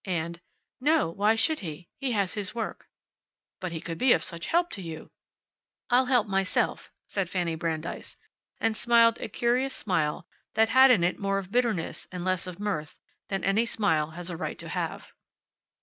And, "No. Why should he? He has his work." "But he could be of such help to you." "I'll help myself," said Fanny Brandeis, and smiled a curious smile that had in it more of bitterness and less of mirth than any smile has a right to have.